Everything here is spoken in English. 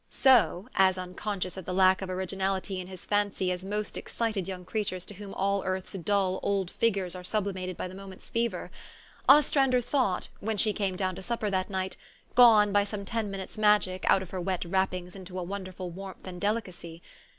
So (as unconscious of the lack of originality in his fancy as most excited young creatures to whom all earth's dull, old figures are sublimated by the moment's fever) Ostrander thought, when she came down to supper that night, gone, by some ten minutes' magic, out of her wet wrappings into a wonderful warmth and delicacy.